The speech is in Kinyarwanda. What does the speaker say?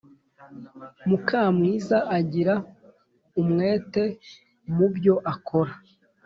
mukamwiza agira umwete mubyo akora